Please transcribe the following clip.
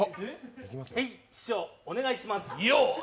はい、師匠お願いします。